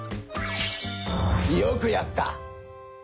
よくやった！